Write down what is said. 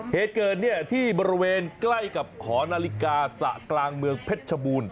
เหตุเกิดที่บริเวณใกล้กับหอนาฬิกาสระกลางเมืองเพชรชบูรณ